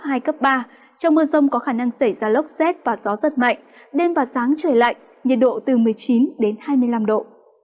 xảy ra lốc xét và gió rất mạnh đêm và sáng trời lạnh nhiệt độ từ một mươi chín hai mươi năm độ